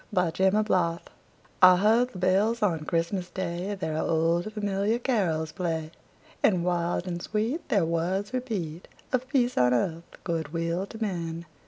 CHRISTMAS BELLS I heard the bells on Christmas Day Their old, familiar carols play, And wild and sweet The words repeat Of peace on earth, good will to men!